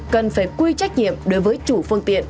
cần phải quy trách nhiệm đối với chủ phương tiện